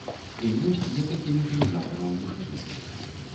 І ёсць некалькі механізатараў мужчын.